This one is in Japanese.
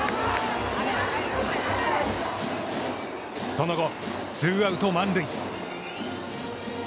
その後、ツーアウト、満塁。